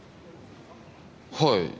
はい。